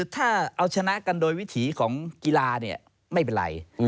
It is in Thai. ถ้าเอาชนะกันโดยวิถีของกีฬาเนี่ยไม่เป็นไร